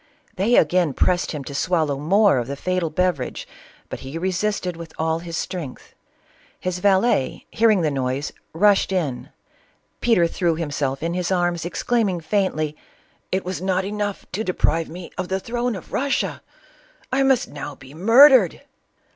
They again pressed him to swallow more of the fatal beverage, but he re sisted with all his strength. His valet, hearing the noise, rushed in. Peter threw himse49in his arras, ex claiming faintly, " It was not enough to deprive me of the throne of Russia !— I must now be murdered